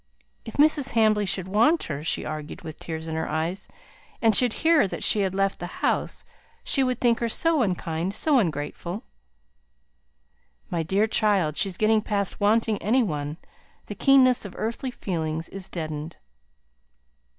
If Mrs. Hamley should want her (she argued, with tears in her eyes), and should hear that she had left the house, she would think her so unkind, so ungrateful! "My dear child, she's getting past wanting any one! The keenness of earthly feelings is deadened."